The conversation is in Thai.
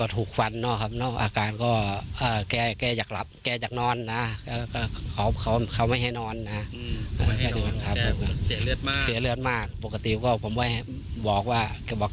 ส่วนใหญ่ก็จะฟังในมุมของลุงจารันไปเยอะแล้วนะครับ